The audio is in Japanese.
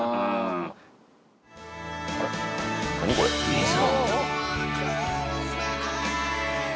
［いざ］